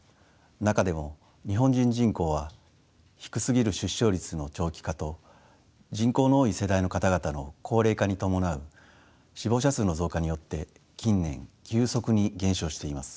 中でも日本人人口は低すぎる出生率の長期化と人口の多い世代の方々の高齢化に伴う死亡者数の増加によって近年急速に減少しています。